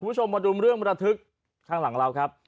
คุณผู้ชมมาดูเรื่องระทึกข้างหลังเราครับ